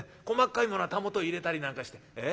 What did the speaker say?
細かいものは袂入れたりなんかして。